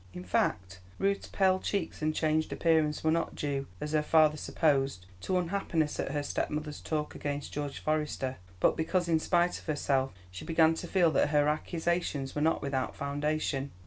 In fact, Ruth's pale cheeks and changed appearance were not due, as her father supposed, to unhappiness at her stepmother's talk against George Forester; but because in spite of herself she began to feel that her accusations were not without foundation.